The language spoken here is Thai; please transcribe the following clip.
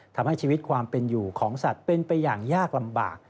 ทำให้ชีวิตความเป็นอยู่ของสัตว์เป็นไปอย่างยากลำบาก